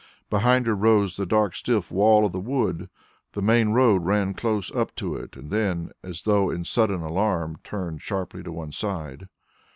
Behind her rose the dark stiff wall of the wood. The main road ran close up to it and then, as though in sudden alarm, turned sharply to one side.